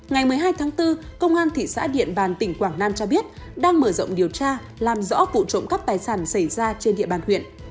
ngày một mươi hai tháng bốn công an thị xã điện bàn tỉnh quảng nam cho biết đang mở rộng điều tra làm rõ vụ trộm cắp tài sản xảy ra trên địa bàn huyện